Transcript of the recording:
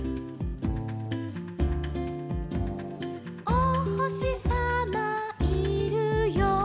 「おほしさまいるよ」